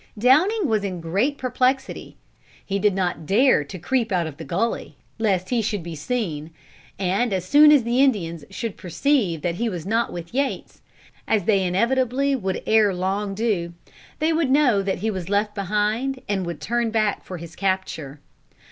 Downing was in great perplexity. He did not dare to creep out of the gulley, lest he should be seen, and as soon as the Indians should perceive that he was not with Yates, as they inevitably would ere long do, they would know that he was left behind, and would turn back for his capture.